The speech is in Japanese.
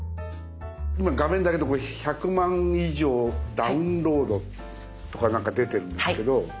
今画面だけど１００万以上ダウンロードとかなんか出てるんですけど。